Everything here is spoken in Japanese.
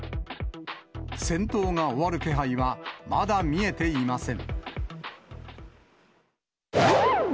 戦闘が終わる気配はまだ見えていません。